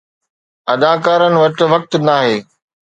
اداڪارن وٽ وقت ناهي